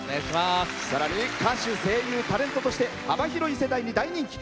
さらに歌手、声優、タレントとして幅広い世代に大人気。